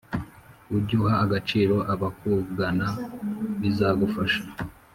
Ujyuha agaciro abakugana bizagufasha